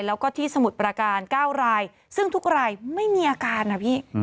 แล้วก็ที่สมุทรประการ๙รายซึ่งทุกรายไม่มีอาการนะพี่